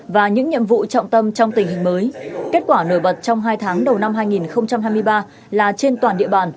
và những nhiệm vụ trọng tâm trong tình hình mới kết quả nổi bật trong hai tháng đầu năm hai nghìn hai mươi ba là trên toàn địa bàn